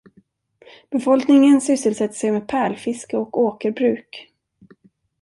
Befolkningen sysselsätter sig med pärlfiske och åkerbruk.